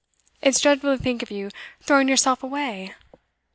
It's dreadful to think of you throwing yourself away!